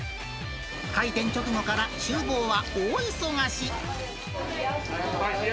開店直後からちゅう房は大忙し。